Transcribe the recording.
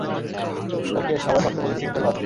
ওকে, সবাই শক্ত করে সিটবেল্ট বাঁধো।